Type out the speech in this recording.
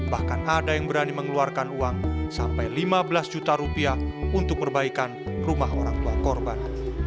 bahkan ada yang berani mengeluarkan uang sampai lima belas juta rupiah untuk perbaikan rumah orang tua korban